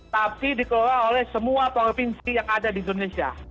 tapi dikelola oleh semua provinsi yang ada di indonesia